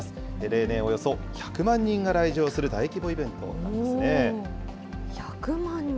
例年およそ１００万人が来場する大規模イベントなんですね。